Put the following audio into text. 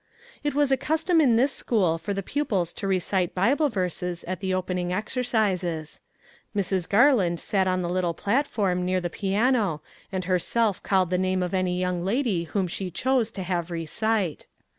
It was a custom in this school for the pupils to recite Bible verses at the opening exercises. Mrs. Garland sat on the little platform near the piano and herself called the name of any young lady whom she chose to have recite.